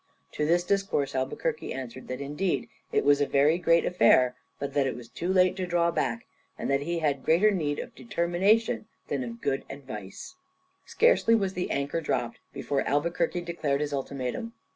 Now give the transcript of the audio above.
To this discourse Albuquerque answered, that indeed "it was a very great affair, but that it was too late to draw back, and that he had greater need of determination than of good advice." [Illustration: Albuquerque before Ormuz.] Scarcely was the anchor dropped before Albuquerque declared his ultimatum.